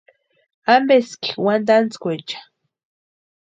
¿Ampeski wantantskwaecha?